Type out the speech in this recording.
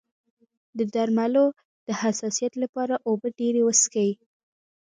د درملو د حساسیت لپاره اوبه ډیرې وڅښئ